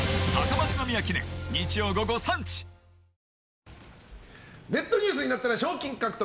あふっネットニュースになったら賞金獲得！